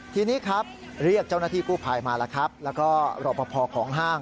ทีนี้ครับเรียกเจ้าหน้าที่กู้ภายมาแล้วก็รอบพอของห้าง